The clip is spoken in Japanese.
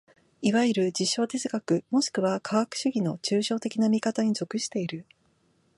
いわゆる実証哲学もしくは科学主義の抽象的な見方に属している。